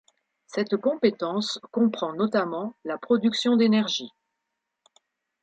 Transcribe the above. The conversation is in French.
Cette compétence comprend notamment la production d'énergie.